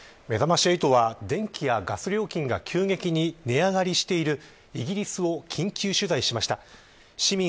めざまし８は電気やガス料金が急激に値上がりしているイギリスを緊急取材しました。